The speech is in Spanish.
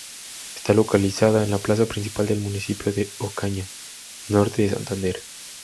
Está localizada en la plaza principal del municipio de Ocaña, Norte de Santander.